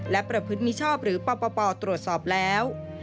และประพฤติมิชอบหรือปปตรวจสอบแล้ว